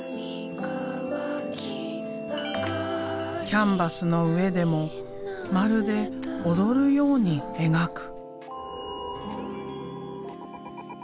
キャンバスの上でもまるで踊るように描く。